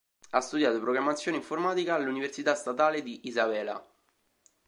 Ha studiato programmazione informatica all'Università Statale di Isabela.